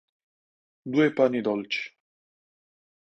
Due pani dolci.